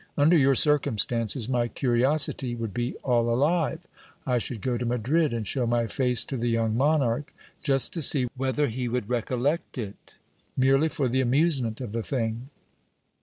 Under your circumstances my curiosity would be all alive ; I should go to Madrid and show my face to the young monarch, just to see whether he would recollect it, merely for the amusement of the thing.